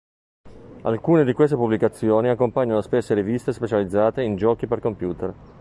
Alcune di queste pubblicazioni accompagnano spesso riviste specializzate in giochi per computer.